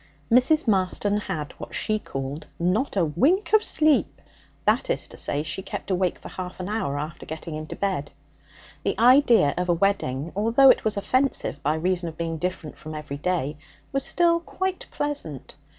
Mrs. Marston had what she called 'not a wink of sleep' that is to say, she kept awake for half an hour after getting into bed. The idea of a wedding, although it was offensive by reason of being different from every day, was still quite pleasant.